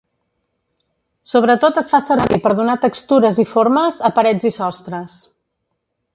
Sobretot es fa servir per donar textures i formes a parets i sostres.